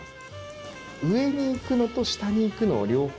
上に行くのと下に行くのを両方。